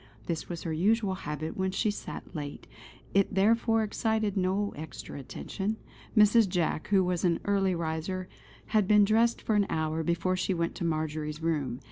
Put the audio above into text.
This was her usual habit when she sat late; it therefore excited no extra attention. Mrs. Jack who was an early riser, had been dressed for an hour before she went to Marjory's room.